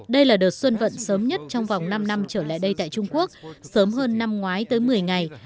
đây là đợt xuân vận sớm nhất trong vòng năm năm trở lại đây tại trung quốc sớm hơn năm ngoái tới một mươi ngày